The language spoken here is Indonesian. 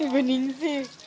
bu ning sih